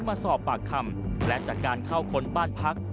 มาสอบปากคำและจากการเข้าค้นบ้านพัก